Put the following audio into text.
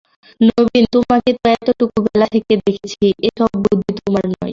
নবীন, তোমাকে তো এতটুকু বেলা থেকে দেখছি, এ-সব বুদ্ধি তোমার নয়।